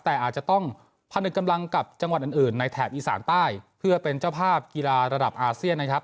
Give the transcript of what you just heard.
แต่อาจจะต้องพนึกกำลังกับจังหวัดอื่นในแถบอีสานใต้เพื่อเป็นเจ้าภาพกีฬาระดับอาเซียนนะครับ